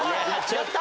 ちょっと！